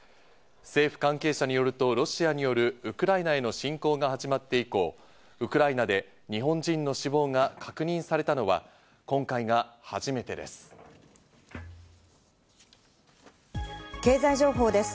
政府関係者によると、ロシアによるウクライナへの侵攻が始まって以降、ウクライナで日本人の死亡が確認されたのは今回が初めてです。